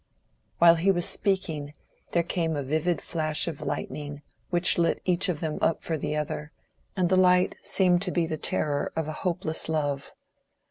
While he was speaking there came a vivid flash of lightning which lit each of them up for the other—and the light seemed to be the terror of a hopeless love.